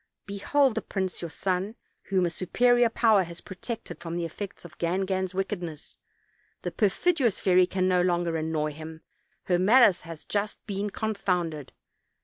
Behold the prince your son, whom a superior power has protected from the effects of Gangan's wicked ness; the perfidious fairy can no longer annoy him, her malice has just been confounded.